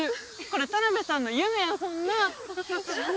これ田辺さんの夢やもんなあ？